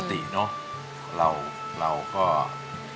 อันดับนี้เป็นแบบนี้